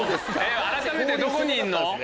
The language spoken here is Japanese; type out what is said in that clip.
改めてどこにいんの？